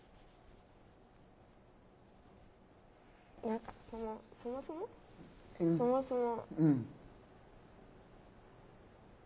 何かそもそもそもそも。